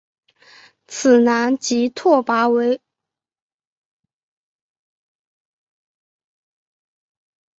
此男即拓跋力微。